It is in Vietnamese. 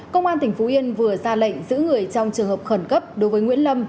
công an tỉnh phú yên vừa ra lệnh giữ người trong trường hợp khẩn cấp đối với nguyễn lâm